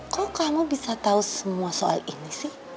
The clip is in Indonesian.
kok kamu bisa tahu semua soal ini sih